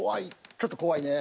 ちょっと怖いね。